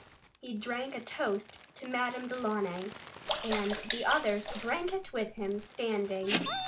He drank a toast to Madame Delaunay, and the others drank it with him, standing.